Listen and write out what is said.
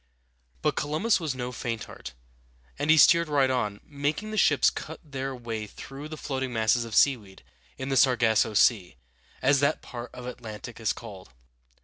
But Columbus was no faint heart, and he steered right on, making the ships cut their way through the floating masses of seaweed in the Sar gas´so Sea, as that part of the Atlantic is called.